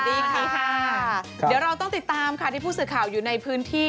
ดีค่ะเดี๋ยวเราต้องติดตามค่ะที่ผู้สื่อข่าวอยู่ในพื้นที่